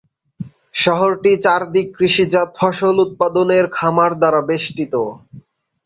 শহরটির চারদিক কৃষিজাত ফসল উৎপাদনের খামার দ্বারা বেষ্টিত।